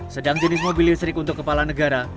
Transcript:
sedang jenis mobil listrik untuk kepala negara